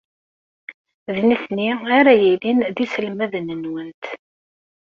D nitni ara yilin d iselmaden-nwent.